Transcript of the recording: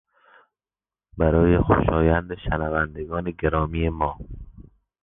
برای خوشایند شنوندگان گرامی ما